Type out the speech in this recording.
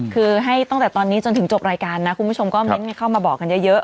คือให้ตั้งแต่ตอนนี้จนถึงจบรายการนะคุณผู้ชมก็เน้นเข้ามาบอกกันเยอะ